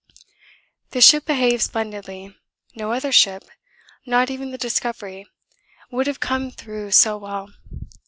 'The ship behaved splendidly no other ship, not even the Discovery, would have come through so well.